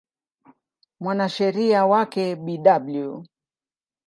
Mwanasheria wake Bw.